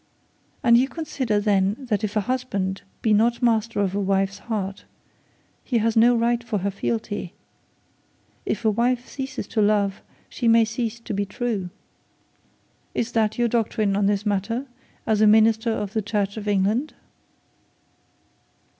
And you consider then, that if a husband be not master of his wife's heart, he has not right to her fealty; if a wife ceases to love, she may cease to be true. Is that your doctrine on this matter, as a minister of the Church of England?'